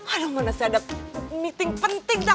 aduh mana saya ada meeting penting tau